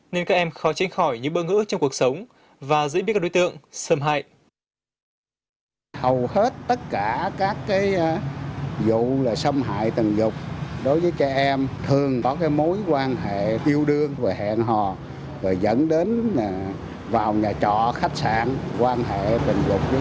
nên các em khó tránh khỏi những bơ ngữ trong cuộc sống và dễ biết các đối tượng xâm hại